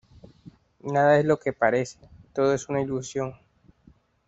Nada es lo que parece, todo es una ilusión.